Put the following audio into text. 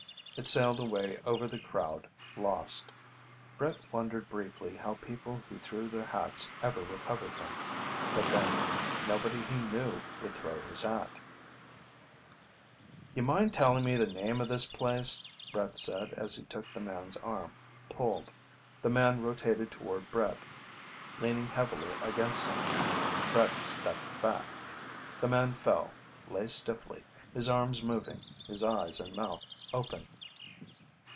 It sailed away over the crowd, lost. Brett wondered briefly how people who threw their hats ever recovered them. But then, nobody he knew would throw his hat ... "You mind telling me the name of this place?" Brett said, as he took the man's arm, pulled. The man rotated toward Brett, leaning heavily against him. Brett stepped back. The man fell, lay stiffly, his arms moving, his eyes and mouth open.